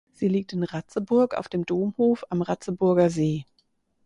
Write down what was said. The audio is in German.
Sie liegt in Ratzeburg auf dem Domhof am Ratzeburger See.